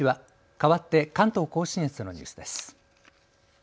かわって関東甲信越のニュースです。